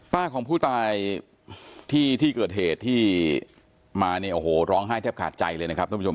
ป้าของผู้ตายที่เกิดเหตุที่มาเนี้ยโอ้โหร้องไห้เทียบขาดใจเลย